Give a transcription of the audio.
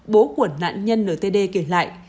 bố của nạn nhân nở tê đê kể lại